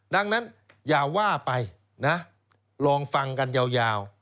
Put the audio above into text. ดังนั้นอย่าว่าไปนะลองฟังกันยาว